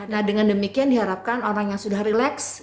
nah dengan demikian diharapkan orang yang sudah relax